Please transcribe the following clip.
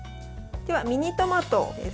ミニトマトです。